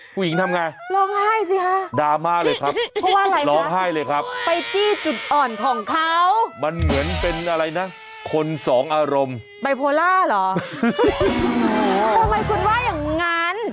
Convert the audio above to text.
ผู้หญิงทำไงร้องไห้สิฮะ